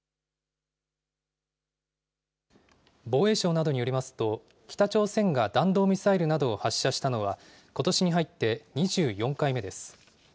防衛省などによりますと、北朝鮮が弾道ミサイルなどを発射したのは、ことしに入って２４回目です。